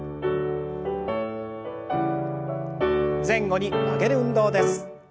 前後に曲げる運動です。